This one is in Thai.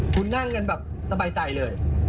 คุณนั่งกันแบบสบายใจเลย